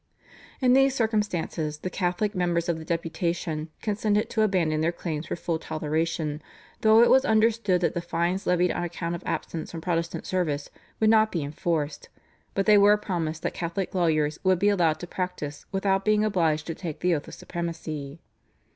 " In these circumstances the Catholic members of the deputation consented to abandon their claims for full toleration, though it was understood that the fines levied on account of absence from Protestant service would not be enforced, but they were promised that Catholic lawyers would be allowed to practise without being obliged to take the oath of supremacy.